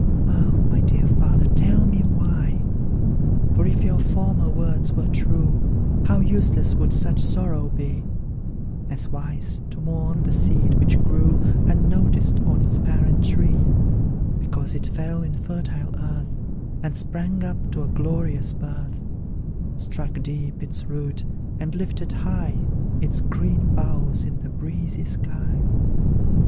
Ah! my dear father, tell me why? For, if your former words were true, How useless would such sorrow be; As wise, to mourn the seed which grew Unnoticed on its parent tree, Because it fell in fertile earth, And sprang up to a glorious birth Struck deep its root, and lifted high Its green boughs in the breezy sky.